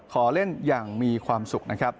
ขอเล่นอย่างมีความสุขนะครับ